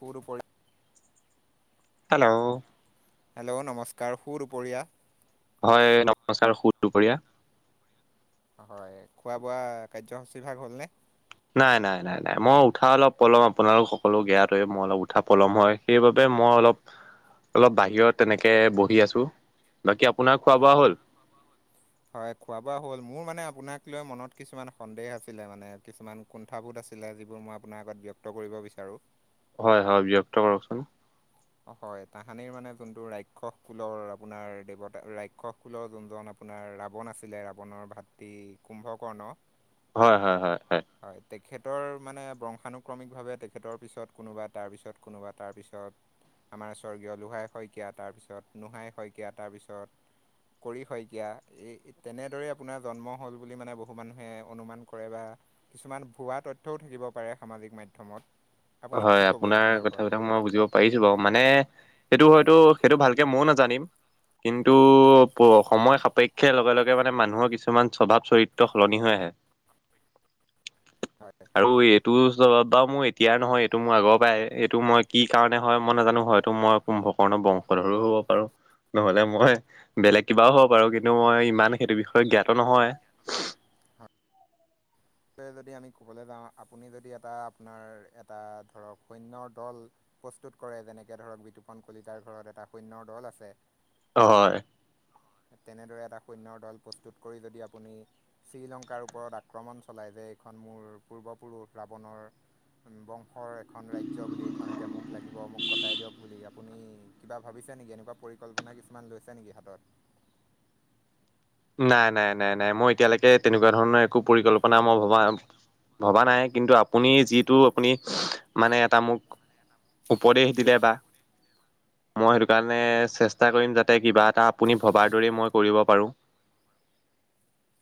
পৰু পৰি hello hello নমস্কাৰ সু দুপৰীয়া হয় নমস্কাৰ সু দুপৰীয়া হয় খোৱা বোৱা কাৰ্যসূচী ভাগ হ'লনে? নাই নাই নাই নাই মই উঠা অলপ পলম আপোনালোক সকলো গিয়াতই মই অলপ উঠা পলম হয় সেইবাবে, মই অলপ অলপ বাহিৰত তেনেকে বহি আছো। বাকী আপোনাৰ খোৱা ন বোৱা হ'ল? হয় খোৱা বোৱা হ'ল মোৰ মানে আপোনাক লৈ মনত কিছুমান সন্দেহ আছিলে মানে কিছুমান কুণ্ঠাবোধ আছিলে যিবোৰ মই আপোনাৰ আগত ব্যক্ত কৰিব বিচাৰোঁ। হয় হয় ব্যক্ত কৰকচোন হয় তাহানিৰ মানে যোনটো ৰাক্ষস কুলৰ আপোনাৰ দেৱতা ৰাক্ষস কুলৰ যোনজন, আপোনাৰ ৰাৱণ আছিলে ৰাৱণৰ ভাতৃ কুম্ভকৰ্ণ হয় হয় হয় হয় তেখেতৰ মানে ব্ৰংশানুক্ৰমিকভাৱে তেখেতৰ পিছত কোনোবা তাৰ পিছত কোনোবা তাৰ পিছত আমাৰ স্বৰ্গীয় লোহাই শইকীয়া তাৰপিছত নোহাই শইকীয়া তাৰপিছত কৰি শইকীয়া এই তেনেদৰে আপোনাৰ জন্ম হল বুলি মানে বহু মানুহে অনুমান কৰে বা, কিছুমান ভুৱা তথ্যও থাকিব পাৰে সামাজিক মাধ্যমত আপুনি হয় কি ক'ব এই আপোনাৰ সন্দৰ্ভত কথাবিলাক মই বুজিব পাৰিছো বাৰু মানে সেইটো হয়তো সেইটো ভালকে ময়ও নাজানিম কিন্তু সময় সাপেক্ষে লগে লগে মানে মানুহৰ কিছুমান স্বভাৱ চৰিত্ৰ সলনি হৈ আ [unintelligible] [inaudible] হয় আৰু এইটো স্বভাব মোৰ এতিয়া এতিয়াৰ নহয় এইটো মোৰ আগৰ পৰাই এইটো মই কি কাৰণে হয় মই নাজানো হয়তো মই কুম্ভকৰ্ণৰ বংশধৰো হ'ব [unintelligible] নহলে মই বেলেগ কিবাও হ'ব পাৰো, কিন্তু মই ইমান সেইটো বিষয়ে জ্ঞাত নহয়। [unintelligible] তে যদি আমি কবলৈ যাওঁ, আপুনি যদি এটা আপোনাৰ এটা ধৰক সৈন্যৰ দল। প্ৰস্তুত কৰে, যেনেকে ধৰক বিতুপন কলিতাৰ ঘৰত এটা সূন্যৰ দল আছে। হয়। তেনেদৰে এটা সৈন্যৰ দল প্ৰস্তুত কৰি, যদি আপুনি শ্ৰীলংকাৰ ওপৰত আক্ৰমণ চলাই যে। সেইখন মোৰ পূৰ্বপুৰুষ ৰাৱণৰ বংশৰ এখন ৰাজ্য বুলি এইখন এতিয়া মোক লাগিব, মোক গতাই দিয়ক বুলি আপুনি কিবা ভাবি ছে নেকি? এনেকুৱা পৰিকল্পনা কিছুমান লৈছে নেকি হাতত। নাই নাই নাই নাই, মই এতিয়ালৈকে তেনেকুৱা ধৰণৰ একো পৰিকল্পনা মই ভবা না ভবা নাই, কিন্তু আপুনি যিটো আপুনি মানে এটা মোক উপদেশ দিলে বা মই সেইটো কাৰণে চেষ্টা কৰিম যাতে কিবা এটা আপুনি ভবাৰ দৰেই মই কৰিব পাৰোঁ।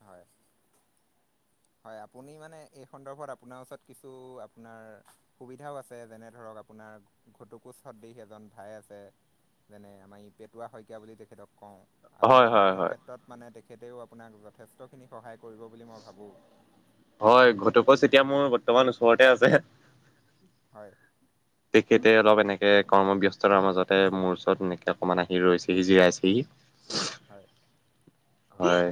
হয় হয়, আপুনি মানে এই সন্দৰ্ভত আপোনাৰ ওচৰত কিছু আপোনাৰ সুবিধাও আছে, যেনে ধৰক আ আপোনাৰ [unintelligible] এজন ভাই আছে। যেনে আমাৰ ই পেটুৱা শইকীয়া বুলি তেখেতক কওঁ। হয় আপোনাৰ হয় যুদ্ধ হয় ক্ষেত্ৰত মানে তেখেতেও আপোনাক যথেষ্টখিনি সহায় কৰিব বুলি মই ভাবোঁ। হয়, ঘটুকচ এতিয়া মোৰ বৰ্তমান ওচৰতে আছে। হয়। তেখেতে অলপ এনেকে কৰ্মব্যস্ততাৰ মাজতে মোৰ ওচৰত এনেকে অকমান আহি ৰৈছেহি, জিৰাইছেহি। হয়। হয়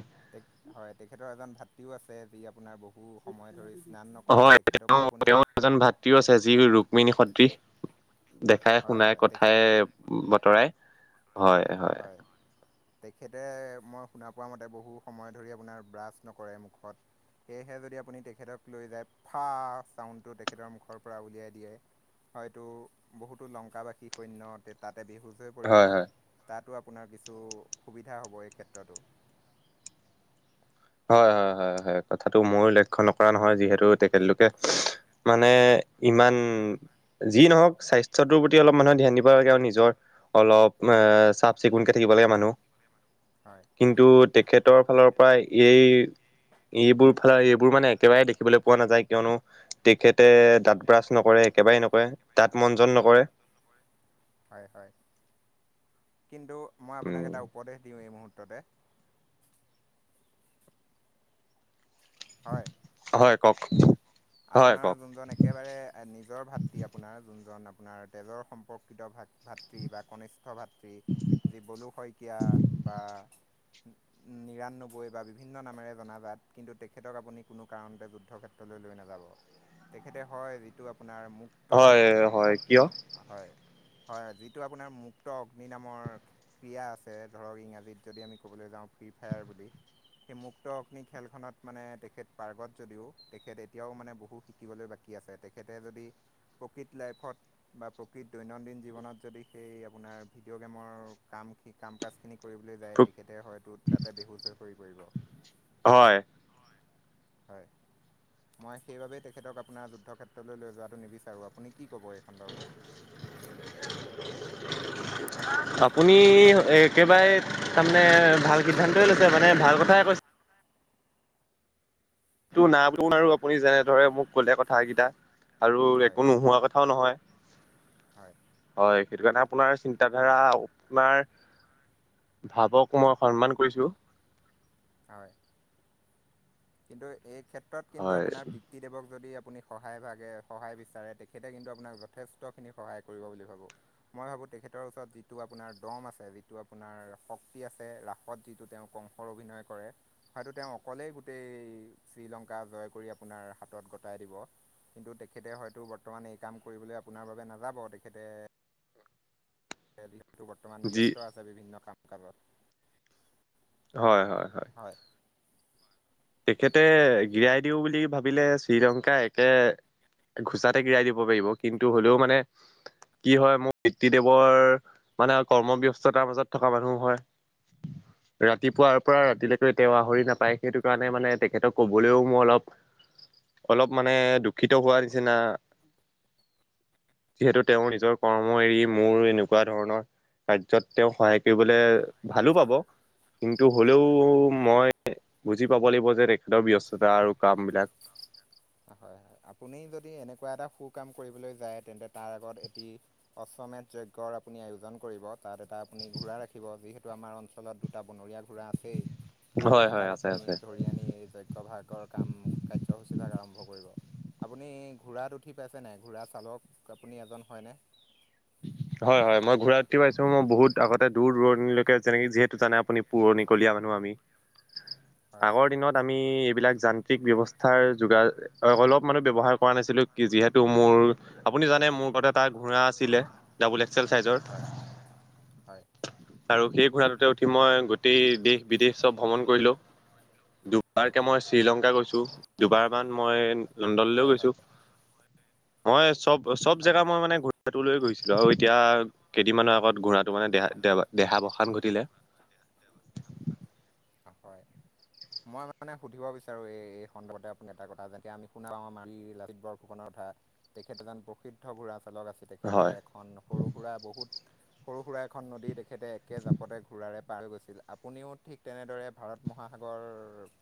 হয়, তেখেতৰ এজন ভাতৃও আছে। যি আপোনাৰ বহু সময় ধৰি স্নান নকৰে। অঁ, তেখেতকো তেওঁ আপুনি তেওঁৰ এজন ভাতৃও আছে যি ৰুক্মিনী সদৃশ। হয় দেখাই-শুনাই হয় তেখে কথাই-বতৰাই হয়, হয়। তেখেতে মই শুনা পোৱা মতে, বহু সময় ধৰি আপোনাৰ ব্ৰাছ নকৰে মুখত সেয়েহে যদি আপুনি তেখেতক লৈ যায়, ফা চাউণ্ডটো তেখেতৰ মুখৰ পৰা উলিয়াই দিয়ে। হয়তো বহুতো লংকাবাসী সৈন্য তাতে বিহুজ হৈ পৰিব। হয় হয় তাতো আপোনাৰ কিছু সুবিধা হ'ব এই ক্ষেত্ৰতো। হয়, হয়, হয়, হয়, কথাটো ময়ো লক্ষ্য নকৰা নহয় যিহেতু তেখেতলোকে মানে ইমান, যি নহওক স্বাস্থ্যটোৰ প্ৰতি অলপ মানুহে ধ্যান দিব লাগে আৰু নিজৰ অলপ হয় চাফ চিকুণকে থাকিব লাগে মানুহ, হয় কিন্তু তেখেতৰ ফালৰ প্ৰায় এই-এইবোৰ এইবোৰ মানে একেবাৰে দেখিবলৈ পোৱা নাযায় কিয়নো, তেখেতে দাঁত ব্ৰাছ নকৰে একেবাৰে নকৰে। দাঁত মঞ্জন নকৰে। হয়, হয় কিন্তু মই আপোনাক উম এটা উপদেশ দিওঁ এই মুহূৰ্ত মুঠতে হয়। হয় কওক। হয় আপোনাৰ কওক জোনজন একেবাৰে নিজৰ ভাতৃ আপোনাৰ জোনজন আপোনাৰ তেজৰ সম্পৰ্কিত ভাত ভাতৃ বা কনিষ্ঠ ভাতৃ যি বলু শইকীয়া। বা নিৰান্নব্বৈ বা বিভিন্ন নামেৰে জনাজাত, কিন্তু তেখেতক আপুনি কোনো কাৰণতে যুদ্ধ ক্ষেত্ৰলৈ লৈ নাযায়। [unintelligible] তেখেতে হয়, যিটো আপোনাৰ মুক্ত হয় হয় কিয় অগ্নি হয় হয়, যিটো আপোনাৰ মুক্ত অগ্নি নামৰ ক্ৰীড়া আছে ধৰক ইংৰাজীত যদি আমি ক'বলৈ যাওঁ ফ্ৰী ফায়াৰ বুলি, সেই মুক্ত অগ্নি খেলখনত মানে তেখেত পাৰ্গত যদিও তেখেত এতিয়াও মানে বহু শিকিবলৈ বাকী আছে, তেখেতে যদি প্ৰকৃত লাইফত বা প্ৰকৃত দৈনন্দিন জীৱনত যদি সেই আপোনাৰ ভিডিঅ' গেমৰ কাম ক-কাম কাজখিনি কৰিবলৈ যায় তেখেতে হয়তো তাতে বেহুচ হৈ সৰি পৰিব। হয়। হয়। মই সেইবাবেই তেখেতক আপোনাৰ যুদ্ধক্ষেত্ৰলৈ লৈ যোৱাটো নিবিচাৰোঁ আপুনি কি ক'বই সুন্দৰবাদ। আপুনি একেবাৰে তাৰমানে ভাল সিদ্ধান্তই লৈছে মানে ভাল কথ কৈছে-। টো নাম আৰু আপুনি যেনে ধৰে মোক কলে কথাকেইটা আৰু হয় একো নোহোৱা কথাও নহয় হয় হয়। সেইটো কাৰণে আপোনাৰ চিন্তাধাৰা আপোনাৰ ভাবক মই সন্মান কৰিছো। হয়। কিন্তু এই ক্ষেত্ৰত কিন্তু হয় আপোনাৰ পিতৃ দেবক যদি আপুনি সহায় ভাগে সহায় বিচাৰে তেখেতে কিন্তু আপোনাক যথেষ্টখিনি সহায় কৰিব বুলি ভাবোঁ, মই ভাবো তেখেতৰ ওচৰত যিটো আপোনাৰ দম আছে। যিটো আপোনাৰ শক্তি আছে। ৰাসত যিটো তেওঁ কংসৰ অভিনয় কৰে হয়তো তেওঁ অকলেই গোটেই শ্ৰীলংকা জয় কৰি আপোনাৰ হাতত গতাই দিব। কিন্তু তেখেতে হয়তো বৰ্তমান এই কাম কৰিবলৈ আপোনাৰ বাবে নাযাব তেখেতে দশটো বৰ্তমান যি ব্যস্ত আছে বিভিন্ন কাম কাজত হয় হয়। হয়। তেখেতে গিৰাই হয় দিওঁ বুলি ভাবিলে শ্ৰীলংকা একে ঘোচাতে গিৰাই দিব পাৰিব, কিন্তু হ'লেও মানে কি হয় মোৰ পিতৃ দেৱৰ মানে কৰ্মব্যস্থতাৰ মাজত থকা মানুহ হয়। ৰাতিপুৱাৰ পৰা ৰাতিলৈকো এতিয়াও আহৰি নাপায় সেইটো কোৱানাই মানে তেখেতক ক'বলৈও মোৰ অলপ অলপ মানে দুখিত হোৱাৰ নিচিনা [unintelligible] যিহেতু তেওঁৰ নিজৰ কৰ্ম এৰি মোৰ এনেকুৱা ধৰণৰ কাৰ্যত তেওঁ সহায় কৰিবলে ভালো পাব। কিন্তু হ'লেও হয় হয়। মই বুজি পাব লাগিব যে তেখেতৰ ব্যস্ততা আৰু কাম বিলাক। হয় হয়। আপুনি যদি এনেকুৱা এটা সু কাম কৰিবলৈ যায় তেন্তে তাৰ আগত এটি অচমেট যজ্ঞৰ আপুনি আয়োজন কৰিব তাত এটা আপুনি ঘোঁৰা ৰাখিব যিহেতু আমাৰ অঞ্চলত দুটা বনৰীয়া ঘোঁৰা আছেই। তাৰে হয় হয় এটাক আছে আপুনি আছে। ধৰি আনি এই যজ্ঞ ভাগৰ কাম কাৰ্যসূচীভাগ আৰম্ভ কৰে আপুনি ঘোঁৰাত উঠি পাইছেনে? ঘোঁৰা চালক আপুনি এজন হয়নে? [unintelligible] হয় হয় মই ঘোঁৰাত উঠি পাইছো মই বহুত আগতে দূৰ দূৰণিলকে যেনেকে যিহেতু জানে আপুনি পুৰণিকলীয়া মানুহে আমি হয় আগৰ দিনত আমি বিলাক যান্ত্ৰিক ব্যৱস্থাৰ য অলপ মান ব্যৱহাৰ কৰা নাছিলো কি যিহেতু মোৰ আপুনি জানে মোৰ লগত এটা ঘোঁৰা আছিলে ডাবল এক্সেল চাইজৰ। হয় হয় আৰু সেই ঘোঁৰাটোতে উঠি মই গোটেই দেশ বিদেশ চব ভ্ৰমণ কৰিলোঁ। হয় দুবাৰকে মই শ্ৰীলংকা গৈছো দুবাৰমান মই লণ্ডনলৈও হয় হয় গৈছো। মই চব চব হয় জেগা মই মানে [unintelligible] লৈ গৈছো। ধৰক এতিয়া কেইদিনমানৰ আগত ঘূৰা ত মানে হয় দেহা দে দেহাবসান ঘটিলে। হয়। মই মানে সুধিব বিচাৰো এই সন্দৰ্ভতে আপুনি এটা কথা যেতিয়া আমি শুনাও আমাৰ এই লাচিত বৰফুকনত থা তেখেত এজন প্ৰসিদ্ধ ঘোঁৰা চালক আছে তেখেতে হয় এখন সৰু সুৰা বহুত সৰু সুৰা এখন নদী তেখেতে একে জাপতে ঘূৰাাৰে পাৰ গৈছিল। আপুনিও ঠিক তেনেদৰে ভাৰত মহাসাগৰ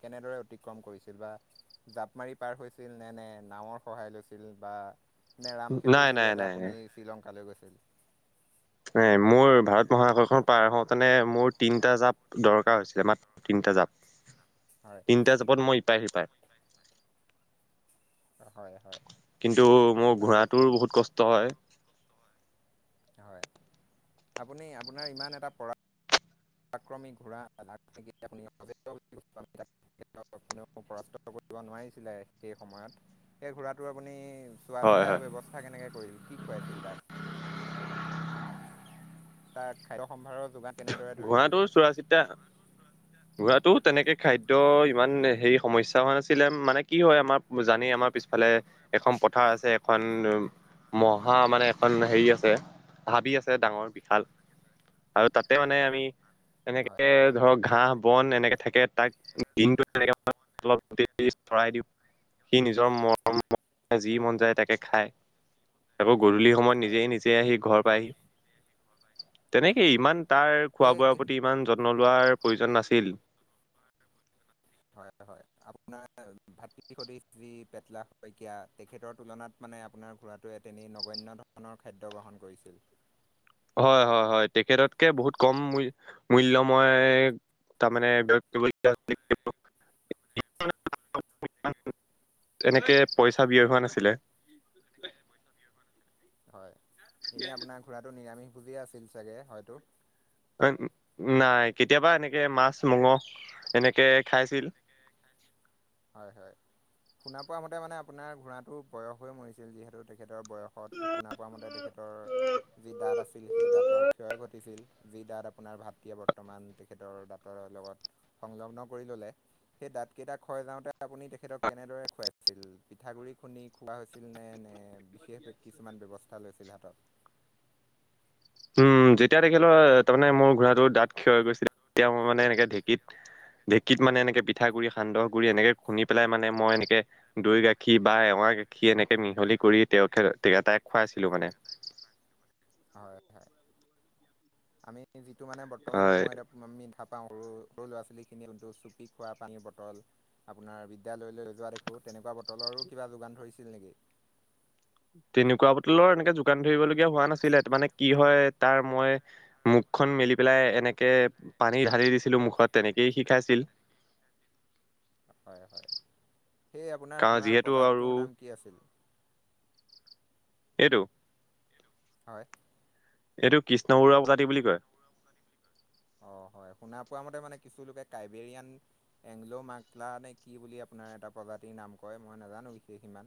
কেনেদৰে অতিক্ৰম কৰিছিল বা জাপ মাৰি পাৰ হৈছিল নে নে নাৱৰ সহায় লৈ- ছিল বা ৰামসেতুৰ নাই নাই জৰিয়তে নাই আপুনি শ্ৰীলংকালৈ গৈছিল এ মোৰ ভাৰত মহাসাগৰখন পাৰ হওঁতোনে মোৰ তিনটা জাপ দৰকাৰ হৈছিলে মাত্ৰ তিনটা জাপ হয় তিনিটা জাপত মই ইপাৰ সিপাৰ হয় হয় কিন্তু মোৰ আপোনাৰ এই ঘোঁৰাটো বহুত কষ্ট হয় হয় আপুনি আপোনাৰ ইমান এটা পৰা আক্ৰমিক ঘোঁৰা [unintelligible] কোনেও পৰাস্ত কৰিব নোৱাৰিছিলে সেই সময়ত সেই ঘোঁৰাটো আপুনি চোৱা হয় চিতা হয় ব্যৱস্থা কেনেকে কৰিল কি খুৱাইছিল তাক তাক খাদ্য সম্ভৱত ঘোঁৰাটোৰ চোৱাচিতা ঘোঁৰাটোক তেনেকে খাদ্য ইমান হেৰি সমস্যা হোৱা নাছিলে মানে কি হয় আমাৰ জানেই আমাৰ পিছফালে এখন পথাৰ আছে এখন উ মহা মানে এখন হেৰি আছে হাবি আছে ডাঙৰ বিশাল আৰু তাতে মানে আমি হয় এনেকে ধৰক ঘাঁহ বন এনেকে থাকে তাক [unintelligible] অলপ [unintelligible] ভৰাই দিওঁ সি নিজৰ মৰ যি হয় মন যায় তাকে খায় গধূলি সময়ত হয় নিজেই নিজে আহি ঘৰ পাই আহি হয় তেনেকেই ইমান তাৰ খোৱা বোৱাৰ সেই প্ৰতি ইমান যত্ন লোৱাৰ প্ৰয়োজন নাছিল। হয় হয় আপোনাৰ ভাতৃ সদৃশ যি পেটলা শইকীয়া তেখেতৰ তুলনাত মানে আপোনাৰ ঘোঁৰাটোৱ এ তেনেই নগন্য ধৰণৰ খাদ্য গ্ৰহণ কৰিছিল। হয় হয় হয় তেখেততকে বহুত কম ম মূল্যময় তাৰমানে [unintelligible] [unintelligible] এনেকে পইচা ব্যয় হোৱা নাছিলে হয় এনেই আপোনাৰ ঘোঁৰাটো নিৰামিষ ভোজী আছিল চাগে হয়তো উ নাই কেতিয়াবা এনেকে মাছ মংহ এনেকে খাইছিল হয় হয় শুনা পোৱা মতে মানে আপোনাৰ ঘোঁৰাটো বয়স হৈ মৰিছিল যিহেতু তেখেতৰ বয়সত শুনা পোৱা মতে তেখেত অ যি দাঁত আছিল সেই দাঁতৰ ক্ষয় ঘটিছিল যি দাঁত আপোনাৰ ভাতৃয়ে বৰ্তমান তেখেতৰ দাঁতৰ লগত সংলগ্ন কৰি ললে সেই দাঁত কেইটা খয় যাওঁতে আপুনি তেখেতক কেনেদৰে খুৱাইছিল পিঠাগুড়ি খুন্দি খোৱা হৈছিল নে নে বিশেষ কিছুমান ব্যৱস্থা লৈছিল হাতত উম যেতিয়া তেখেতৰ তাৰমানে মোৰ ঘোঁৰাটো দাঁত ক্ষয় হৈ গৈছিল তেতিয়া মই মানে এনেকে ঢেঁকীত ঢেঁকীত মানে এনেকে পিঠাগুৰি সান্দহগুৰি এনেকে খুন্দি পেলাই মানে মই এনেকে দৈ গাখীৰ বা এৱা গাখীৰ এনেকে মিহলি কৰি তেওঁ তাইক খুৱাইছিলো মানে [unintelligible] হয় হয় আমি যিটো মানে বৰ্তমান হয় সময়ত আমি পাওঁ সৰু সৰু ল'ৰা ছোৱালী খিনি চুপি খোৱা পানীৰ বটল আপোনাৰ বিদ্যালয়লৈ যোৱা দেখো তেনেকুৱা বটলৰো কিবা যোগান ধৰিছিল নেকি তেনেকুৱা বটলৰ এনেকে যোগান ধৰিবলগীয়া হোৱা নাছিলে তাৰ মানে কি হয় তাৰ মই মোক মুখ খন মেলি পেলাই এনেকে পানী ঢালি দিছিলো মুখত তেনেকেই সি খাইছিল হয় হয় সেই আপোনাৰ কাৰণ ঘোঁৰাৰ যিহেতু আৰু প্ৰজাতিটোৰ নাম কি আছিল এইটো হয় এইটো কৃষ্ণপৰুৱা কাকতি বুলি কয় অ হয় হয় শুনা পোৱা মতে মানে কিছুলোকে কাইবেৰিয়ান এংলো মাকলা নে কি বুলি আপোনাৰ এটা প্ৰজাতি নাম কয় মই নাজানো বিশেষ ইমান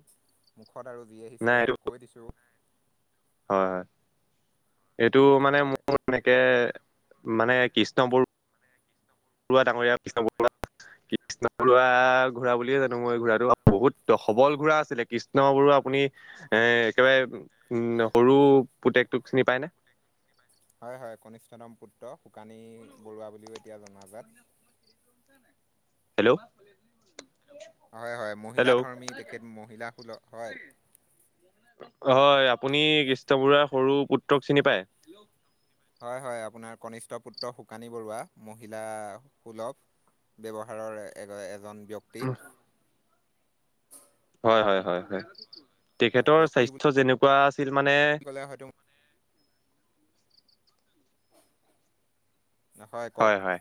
মুখত আৰু যি নাই আহিছে এইটো কৈ দিছো হয় হয় এইটো মানে হয় মোৰ এনেকে, মানে কৃষ্ণবোৰ ঘৰুৱা ডাঙৰীয় পিছ [unintelligible] কৃষ্ণ বুৰা ঘোঁৰা বুলিয়ে জানো মই ঘোঁৰাটো বহুত সবল ঘোঁৰা আছিলে কৃষ্ণ বৰুৱা আপুনি এ একেবাৰে উ সৰু পুতেকটোক চিনি পাই নে? [inaudible] হয় হয় কনিষ্ঠতম পুত্ৰ শুকানী বৰুৱা বুলিও এতিয়া জনাজাত হেল্ল' হয় হয় মহিলা হেল্ল' ধৰ্মী তেখেত মহিলাসুলভ হয় হয় আপুনি কৃষ্ণ বৰুৱাৰ সৰু পুত্ৰক চিনি পায়? হয় হয় আপোনাৰ কনিষ্ঠ পুত্ৰ শুকানী বৰুৱা মহিলা সুলভ ব্যৱহাৰৰ এ এজন ব্যক্তি হয় হয় হয় হয় হয় তেখেতৰ ব্যক্তি বুলি স্বাস্থ্য যেনেকুৱা ছিল মানে ক'লে হয়তো হই কওক হয় হয়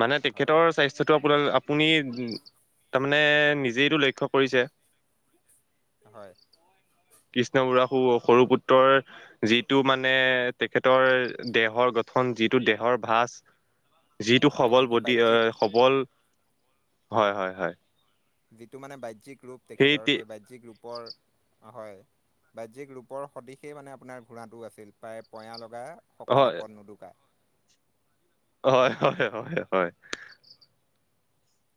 মানে হয় তেখেতৰ স্বাস্থ্যটো আপুনি তাৰমানে নিজেইটো লক্ষ্য কৰিছে হয় কৃষ্ণ বুঢ় সু হয় সৰু পুত্ৰৰ যিটো মানে তেখেতৰ দেহৰ গঠন যিটো দেহৰ ভাঁজ যিটো হয় সবল যিটো বডি বাহ্যিক সবল হয় হয় হয় যিটো মানে বাহ্যিক ৰূপ তেখেতৰ সেই বাহ্যিক ৰূপৰ হয় বাহ্যিক ৰূপৰ সদিশে মানে আপোনাৰ ঘোৰাটো আছিল প্ৰায় পয়া ল শকত হয় আপদ নুদুকা হয় হয় হয় হয়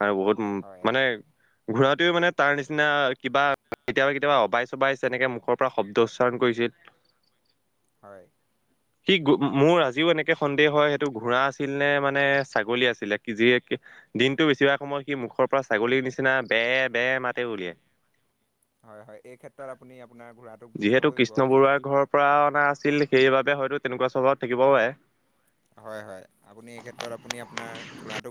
আৰু বহুত উ হয় মানে ঘূৰাতোৱেও মানে তাৰ নিচিনা কিবা কেতিয়াবা কেতিয়াবা অবাইচ অবাইচ যেনেকে মুখৰ পৰা শব্দ উচ্চাৰণ কৰিছিল হয় সি মোৰ আজিও এনেকে সন্দেহ হয় সেইটো ঘোঁৰা আছিল নে মানে ছাগলী আছিলে কি যি দিনটো বেছিভাগ সময় কি মুখৰ পৰা ছাগলীৰ নিচিনা বেৰ বেৰ মাতে উলিয়াই হয় হয় এই ক্ষেত্ৰত আপুনি আপোনাৰ ঘোৰাটোক ঘোম যিহেতু লব লাগিব কৃষ্ণ তে বৰুৱাৰ ঘৰৰ পৰা অনা আছিল সেইবাবে হয়তো তেনেকুৱা স্বভাব থাকিবও পাৰে হয় হয় এই ক্ষেত্ৰত আপুনি আপোনাৰ